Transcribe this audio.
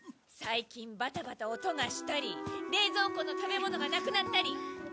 最近バタバタ音がしたり冷蔵庫の食べ物がなくなったり。